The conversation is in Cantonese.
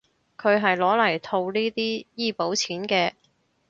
佢係攞嚟套呢啲醫保錢嘅